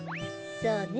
そうね。